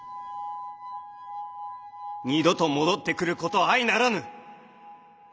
二度と戻ってくること相ならぬ！